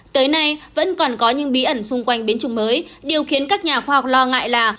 tới nay vẫn còn có những bí ẩn xung quanh biến chủng mới điều khiến các nhà khoa học lo ngại là